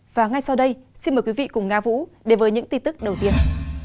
và ngay sau đây xin mời quý vị cùng nga vũ đến với những tin tức đầu tiên